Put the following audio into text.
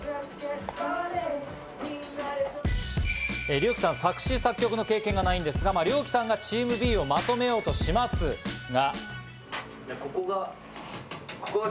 リョウキさん、作詞作曲の経験がないんですが、リョウキさんがチームＢをまとめようとしますが。